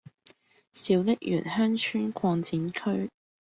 小瀝源鄉村擴展區